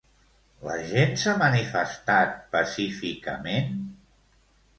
La gent s'ha manifestat pacíficament?